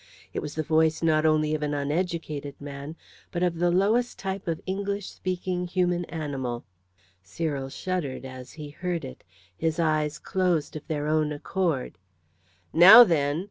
It was the voice not only of an uneducated man, but of the lowest type of English speaking human animal. Cyril shuddered as he heard it. His eyes closed of their own accord. "Now then!"